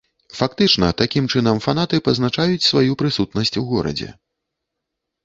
Фактычна, такім чынам фанаты пазначаюць сваю прысутнасць у горадзе.